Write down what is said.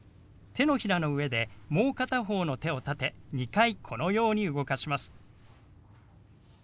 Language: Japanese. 手のひらの上でもう片方の手を立て２回このように動かします。